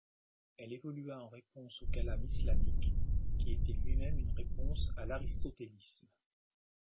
Elle évolua en réponse au Kalam islamique, qui était lui-même une réponse à l'aristotélisme.